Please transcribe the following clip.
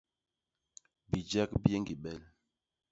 Bijek bi yé ñgi bel.